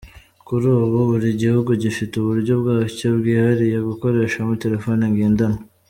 Kuri ubu, buri gihugu gifite uburyo bwacyo bwihariye gikoreshamo telefoni ngendanwa.